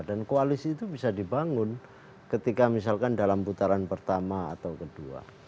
dan koalisi itu bisa dibangun ketika misalkan dalam putaran pertama atau kedua